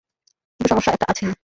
কিন্তু, সমস্যা একটা আছেই।